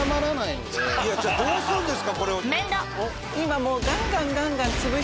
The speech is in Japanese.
いやじゃあどうするんですかこれを。